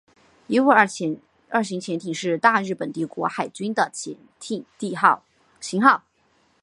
伊五二型潜艇是大日本帝国海军的潜舰型号。